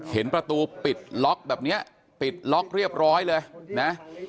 เห็นประตูปิดล็อกแบบนี้ปิดล็อกเรียบร้อยเลยนะ